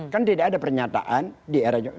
kan tidak ada pernyataan di era jokowi